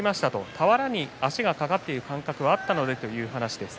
俵に足が掛かっている感覚はあったので、という話です。